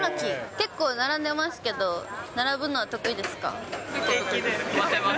結構並んでますけど、並ぶのは得平気です、待てます。